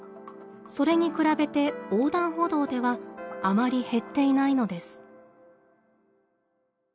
それに比べて横断歩道ではあまり減っていないのです。